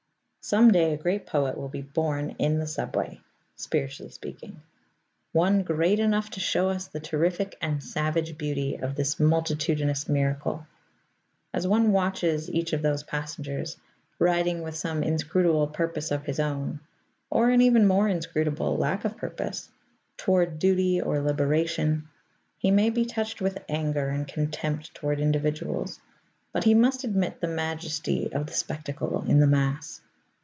Some day a great poet will be born in the subway spiritually speaking; one great enough to show us the terrific and savage beauty of this multitudinous miracle. As one watches each of those passengers, riding with some inscrutable purpose of his own (or an even more inscrutable lack of purpose) toward duty or liberation, he may be touched with anger and contempt toward individuals; but he must admit the majesty of the spectacle in the mass.